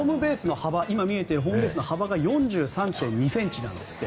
今見えているホームベースの幅が４３．２ｃｍなんです。